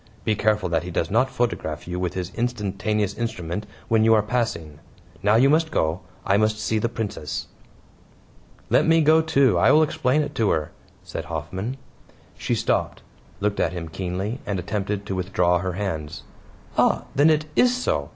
Be careful that he does not photograph you with his instantaneous instrument when you are passing. Now you must go. I must see the Princess." "Let me go, too. I will explain it to her," said Hoffman. She stopped, looked at him keenly, and attempted to withdraw her hands. "Ah, then it IS so.